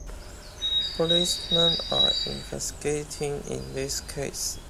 Policemen are investigating in this case.